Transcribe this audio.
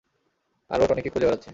আর ও টনিকে খুঁজে বেড়াচ্ছে।